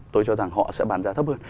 tôi cho rằng họ sẽ bán giá thấp hơn